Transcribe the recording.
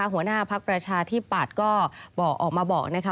หัวหน้าภักรประชาที่ปาดก็ออกมาบอก